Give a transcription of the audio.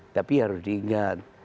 tapi harus diingat